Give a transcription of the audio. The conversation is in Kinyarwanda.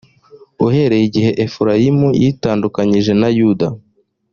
uhereye igihe efurayimu yitandukanyirije na yuda